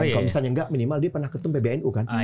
kalau misalnya nggak minimal dia pernah ketum pbnu kan